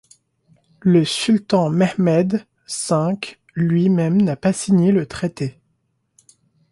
Le sultan Mehmed V lui-même n'a pas signé le traité.